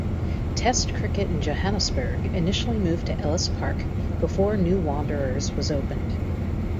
Test cricket in Johannesburg initially moved to Ellis Park before New Wanderers was opened.